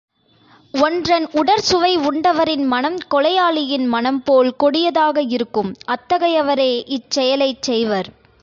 ஒன்றன் உடற்சுவை உண்டவரின் மனம் கொலையாளியின் மனம்போல் கொடியதாக இருக்கும் அத் தகையவரே இச் செயலைச் செய்வர்.